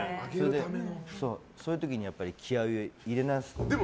そういう時に気合を入れ直すっていうので。